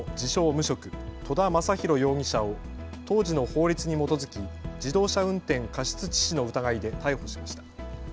無職、戸田昌宏容疑者を当時の法律に基づき自動車運転過失致死の疑いで逮捕しました。